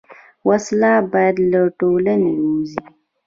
وسله باید له ټولنې ووځي